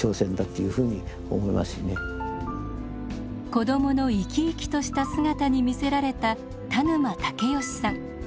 子どもの生き生きとした姿に魅せられた田沼武能さん。